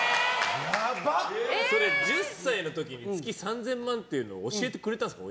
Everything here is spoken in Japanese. それ、１０歳の時に月３０００万っていうのは教えてくれたんですか？